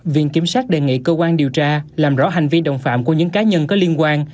viện kiểm sát đề nghị cơ quan điều tra làm rõ hành vi đồng phạm của những cá nhân có liên quan